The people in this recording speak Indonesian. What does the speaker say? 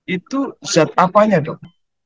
itu zat apanya dok